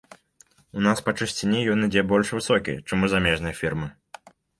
У нас па чысціні ён ідзе больш высокі, чым у замежнай фірмы.